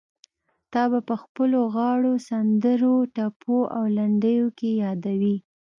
تا به په خپلو غاړو، سندرو، ټپو او لنډيو کې يادوي.